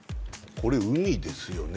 これ海ですよね